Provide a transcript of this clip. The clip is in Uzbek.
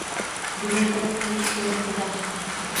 Yuvintirib qo`yish kerak edi, axir